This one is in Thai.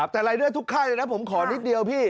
แต่รายเดอร์ทุกค่ายเลยนะผมขอนิดเดียวพี่